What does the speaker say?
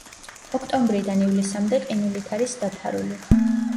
ოქტომბრიდან ივლისამდე ყინულით არის დაფარული.